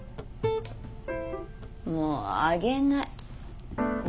もうあげない。